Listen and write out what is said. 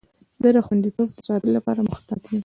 زه د خوندیتوب د ساتلو لپاره محتاط یم.